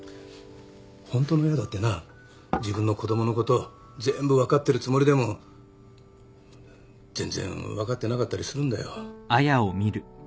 ホントの親だってな自分の子供のこと全部分かってるつもりでも全然分かってなかったりするんだよ。